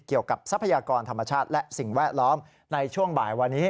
ทรัพยากรธรรมชาติและสิ่งแวดล้อมในช่วงบ่ายวันนี้